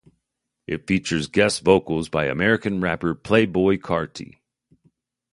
It features guest vocals by American rapper Playboi Carti.